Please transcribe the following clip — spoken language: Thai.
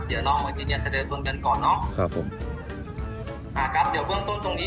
เดี๋ยวลองมายืนยันแสดงตนกันก่อนเนอะครับผมอ่าครับเดี๋ยวเบื้องต้นตรงนี้